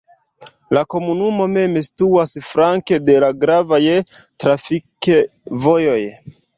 La komunumo mem situas flanke de la gravaj trafikvojoj.